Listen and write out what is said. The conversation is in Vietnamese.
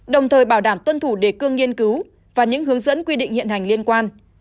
đồng thời bảo đảm tuân thủ đề cương nghiên cứu và những hướng dẫn quy định hiện hành liên quan